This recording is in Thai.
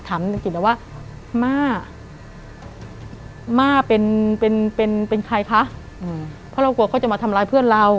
นางกิจแล้วว่าม่าม่าเป็นเป็นใครคะเพราะเรากลัวเขาจะมาทำร้ายเพื่อนเรา